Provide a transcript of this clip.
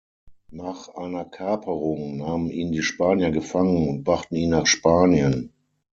Nach einer Kaperung nahmen ihn die Spanier gefangen und brachten ihn nach Spanien.